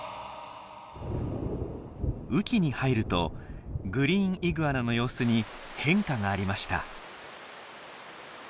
雨季に入るとグリーンイグアナの様子に変化がありました。